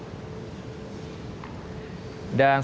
sejak rabu sore waktu setempat ini